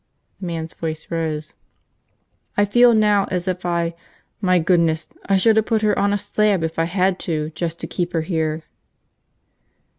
The man's voice rose. "I feel now as if I – my goodness – I should have put her on a slab if I had to, just to keep her here!"